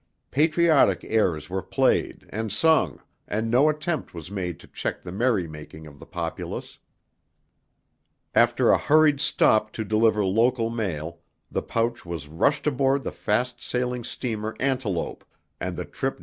Patriotic airs were played and sung and no attempt was made to check the merry making of the populace. After a hurried stop to deliver local mail, the pouch was rushed aboard the fast sailing steamer Antelope, and the trip down the stream begun.